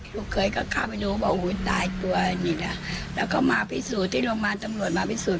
เคยก็เข้าไปดูก็บอกอุ้ยตายตัวนี่นะแล้วก็มาพิสูจน์ที่โรงพยาบาลตำรวจมาพิสูจน